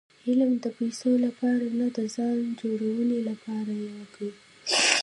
علم د پېسو له پاره نه؛ د ځان جوړوني له پاره ئې وکئ!